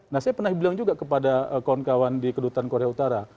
nah saya pernah bilang juga kepada kawan kawan di kedutan korea utara